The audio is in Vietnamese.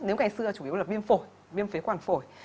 nếu ngày xưa chủ yếu là viêm phổi viêm phế quản phổi